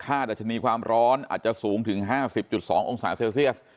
ดัชนีความร้อนอาจจะสูงถึง๕๐๒องศาเซลเซียส